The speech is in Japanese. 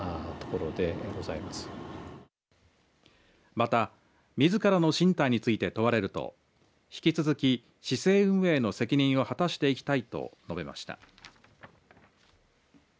また、自らの進退について問われると引き続き、市政運営の責任を果たしていきたいと述べました。